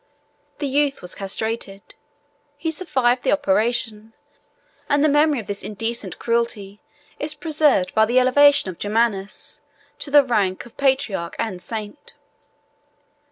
The youth was castrated: he survived the operation, and the memory of this indecent cruelty is preserved by the elevation of Germanus to the rank of a patriarch and saint.